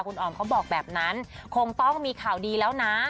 คุณออมเขาบอกแบบนั้นคงต้องมีข่าวดีแล้วนะ